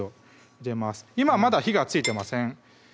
今まだ火がついてません